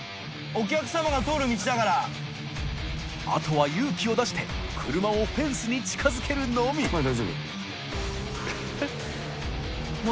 箸勇気を出して車をフェンスに近づけるのみ狩野）